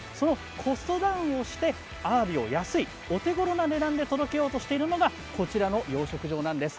コストダウンをしてあわびを安いお手ごろな値段で届けようとしているのがこちらの養殖場なんです。